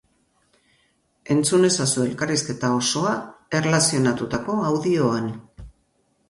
Entzun ezazu elkarrizketa osoa erlazionatutako audioan!